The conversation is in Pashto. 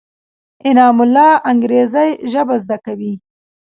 انعام الله انګرېزي ژبه زده کوي.